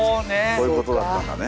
そういうことだったんだね。